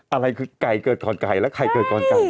อะไรคือไก่เกิดก่อนไก่แล้วไข่เกิดก่อนไก่